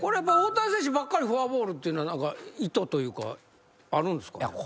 大谷選手ばっかりフォアボールっていうのは意図というかあるんですかね？